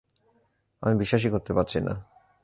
আমি বিশ্বাসই করতে পারছি না।